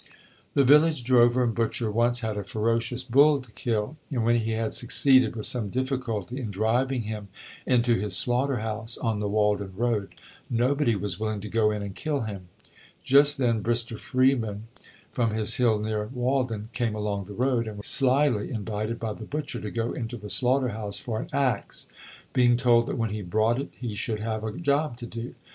The village drover and butcher once had a ferocious bull to kill, and when he had succeeded with some difficulty in driving him into his slaughter house, on the Walden road, nobody was willing to go in and kill him. Just then Brister Freeman, from his hill near Walden, came along the road, and was slyly invited by the butcher to go into the slaughter house for an axe, being told that when he brought it he should have a job to do.